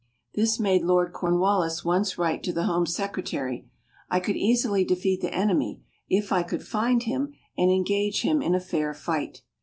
This made Lord Cornwallis once write to the Home Secretary: "I could easily defeat the enemy, if I could find him and engage him in a fair fight."